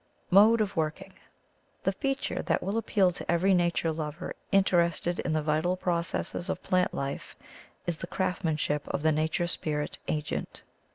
''Mode of Working. — The feature that will appeal to every nature lover interested 182 THE THEOSOPHIC VIEW OF FAIRIES in the vital processes of plant life is the craftsmanship of the nature spirit agent.